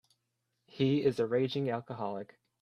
He is a raging alcoholic.